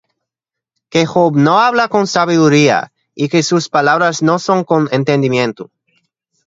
Que Job no habla con sabiduría, Y que sus palabras no son con entendimiento.